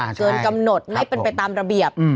อ่าใช่เกินกำหนดไม่เป็นไปตามระเบียบอืม